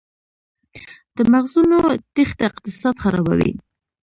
د مغزونو تیښته اقتصاد خرابوي؟